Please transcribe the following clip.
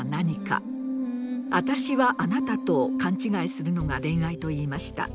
“あたしはあなた”と勘違いするのが恋愛と言いました。